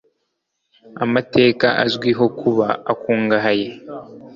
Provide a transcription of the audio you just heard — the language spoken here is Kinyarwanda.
amateka azwiho kuba akungahaye.